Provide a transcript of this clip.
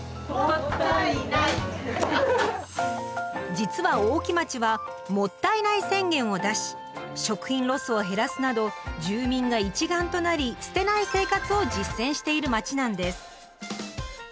実は大木町は「もったいない宣言」を出し食品ロスを減らすなど住民が一丸となり捨てない生活を実践している町なんです。